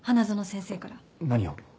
何を？